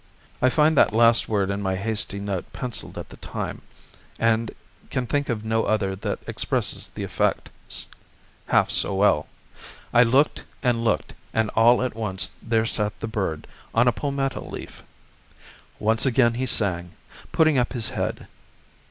I find that last word in my hasty note penciled at the time, and can think of no other that expresses the effect half so well. I looked and looked, and all at once there sat the bird on a palmetto leaf. Once again he sang, putting up his head.